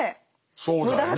そうだよね。